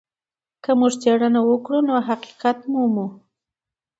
که موږ څېړنه وکړو نو حقيقت مومو.